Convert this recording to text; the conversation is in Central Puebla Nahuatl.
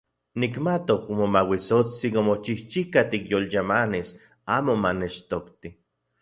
Nikmatok Momauitsotsin omochijchika tikyolyamanis amo manechtokti.